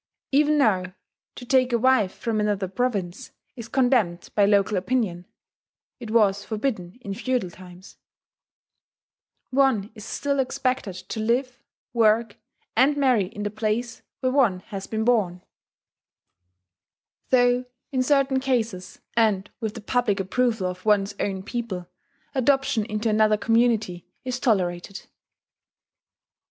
Even now to take a wife from another province is condemned by local opinion (it was forbidden in feudal times): one is still expected to live, work, and marry in the place where one has been born, though, in certain cases, and with the public approval of one's own people, adoption into another community is tolerated.